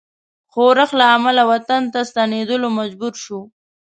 ښورښ له امله وطن ته ستنېدلو مجبور شو.